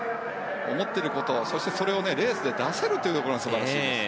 思っていることそして、それをレースで出せるというところが素晴らしいです。